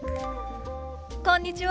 こんにちは。